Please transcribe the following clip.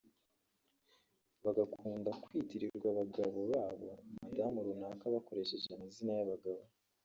Bagakunda kwitirirwa abagabo babo madamu runaka bakoresheje amazina y’abagabo